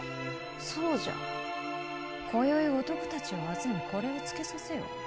そうじゃ今宵男たちを集めこれをつけさせよ。